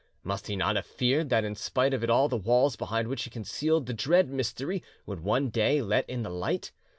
Must he not have feared that in spite of it all the walls behind which he concealed the dread mystery would one day let in the light?